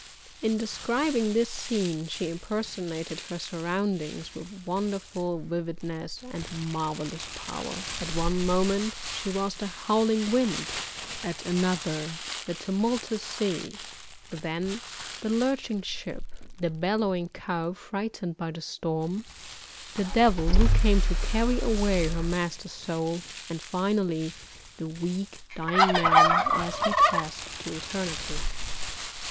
In describing this scene, she impersonated her surroundings with wonderful vividness and marvellous power. At one moment she was the howling wind; at another the tumultuous sea then the lurching ship the bellowing cow frightened by the storm the devil, who came to carry away her master's soul, and finally the weak, dying man, as he passed to eternity.